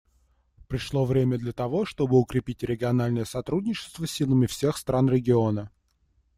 Пришло время для того, чтобы укрепить региональное сотрудничество силами всех стран региона.